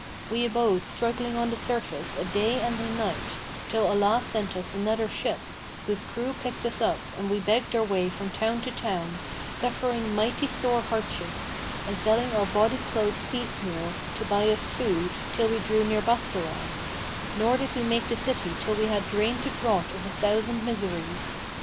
We abode struggling on the surface a day and a night, till Allah sent us another ship, whose crew picked us up and we begged our way from town to town, suffering mighty sore hardships and selling our body clothes piecemeal, to buy us food, till we drew near Bassorah; nor did we make the city till we had drained the draught of a thousand miseries.